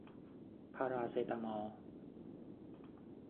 พาราเซตามอล